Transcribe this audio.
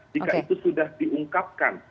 jika itu sudah diungkapkan